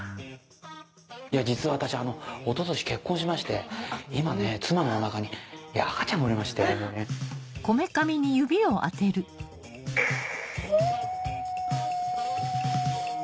実は私あのおととし結婚しまして今ね妻のお腹に赤ちゃんがおりましてくぅう。